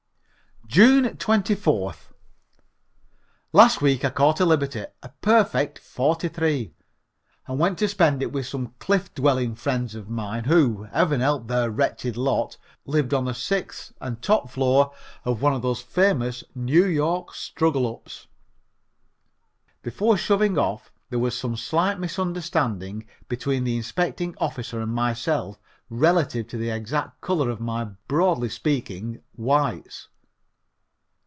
June 24th. Last week I caught a liberty a perfect Forty three and went to spend it with some cliff dwelling friends of mine who, heaven help their wretched lot! lived on the sixth and top floor of one of those famous New York struggle ups. Before shoving off there was some slight misunderstanding between the inspecting officer and myself relative to the exact color of my, broadly speaking, Whites.